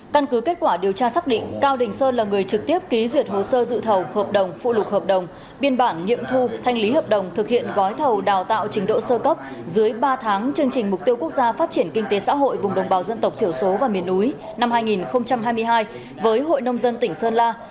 căn cứ kết quả điều tra xác định cao đình sơn là người trực tiếp ký duyệt hồ sơ dự thầu hợp đồng phụ lục hợp đồng biên bản nghiệm thu thanh lý hợp đồng thực hiện gói thầu đào tạo trình độ sơ cấp dưới ba tháng chương trình mục tiêu quốc gia phát triển kinh tế xã hội vùng đồng bào dân tộc thiểu số và miền núi năm hai nghìn hai mươi hai với hội nông dân tỉnh sơn la